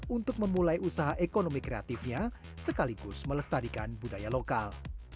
untuk memulai usaha ekonomi kreatifnya sekaligus melestarikan budaya lokal